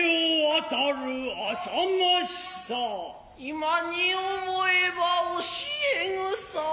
今に思えば教え草。